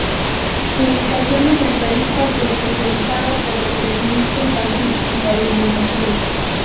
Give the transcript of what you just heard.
Publicaciones en revistas especializadas sobre crecimiento infantil y alimentación.